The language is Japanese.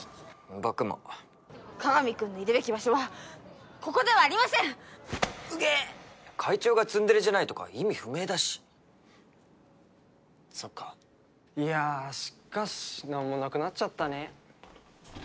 僕も各務君のいるべき場所はここではありませうげっ会長がツンデレじゃないとか意味不明だしそっかいやーしっかしなんもなくなっちゃったね